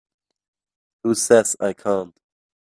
Who says I can't?